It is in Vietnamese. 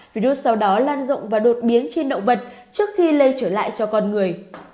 virus sau đó lan rộng và đột biến trên động vật trước khi lây trở lại cho con người